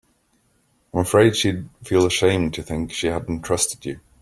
I'm afraid she'd feel ashamed to think she hadn't trusted you.